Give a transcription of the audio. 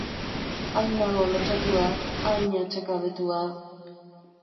Hain nago lotsatua... hain atsekabetua...